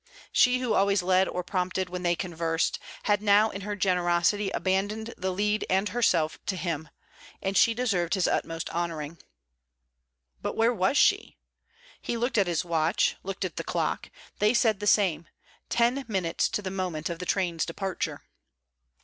She who always led or prompted when they conversed, had now in her generosity abandoned the lead and herself to him, and she deserved his utmost honouring. But where was she? He looked at his watch, looked at the clock. They said the same: ten minutes to the moment of the train's departure.